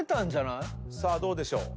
さあどうでしょう？